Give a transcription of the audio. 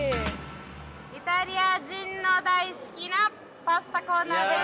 イタリア人の大好きなパスタコーナーです。